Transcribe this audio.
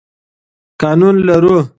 قانون لرو.